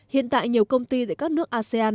hiện tại nhiều công ty tại các nước asean